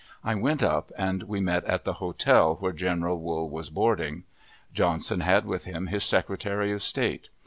I went up, and we met at the hotel where General Wool was boarding. Johnson had with him his Secretary of State.